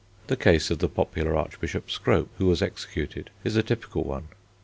The case of the popular Archbishop Scrape who was executed is a typical one.